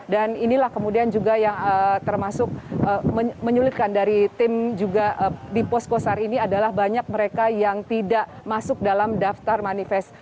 dan inilah kemudian juga yang termasuk menyulitkan dari tim juga di pos kosar ini adalah banyak mereka yang tidak masuk dalam daftar manifest